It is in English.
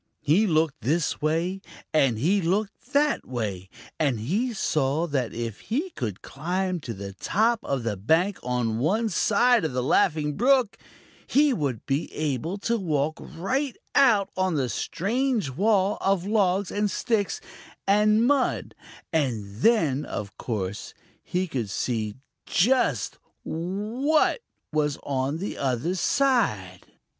He looked this way, and he looked that way, and he saw that if he could climb to the top of the bank on one side of the Laughing Brook, he would be able to walk right out on the strange wall of logs and sticks and mud, and then, of course, he could see just what was on the other side.